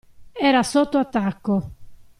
Era sotto attacco.